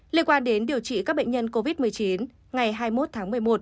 liên quan đến điều trị các bệnh nhân covid một mươi chín ngày hai mươi một tháng một mươi một